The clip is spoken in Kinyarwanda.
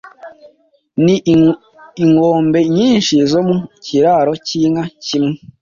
ni ingombe nyinshi zo mu kiraro cy'inka kimwe